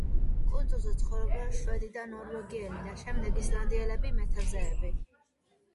კუნძულზე ცხოვრობდნენ შვედი და ნორვეგიელი და შემდეგ ისლანდიელი მეთევზეები.